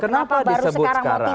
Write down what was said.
kenapa disebut sekarang